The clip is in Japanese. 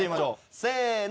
せの。